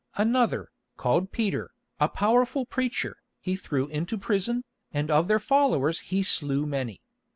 Another, called Peter, a powerful preacher, he threw into prison, and of their followers he slew many.